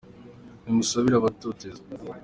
Nimusabire abatoteza